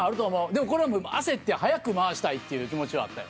でもこれは焦って早く回したいっていう気持ちはあったよ。